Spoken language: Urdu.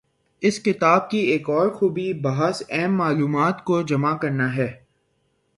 اس کتاب کی ایک اور خوبی بعض اہم معلومات کو جمع کرنا ہے۔